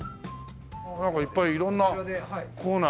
なんかいっぱい色んなコーナーがあります。